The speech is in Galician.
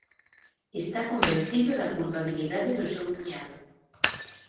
Está convencido da culpabilidade do seu cuñado.